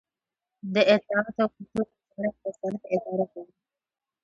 د اطلاعاتو او کلتور وزارت رسنۍ اداره کوي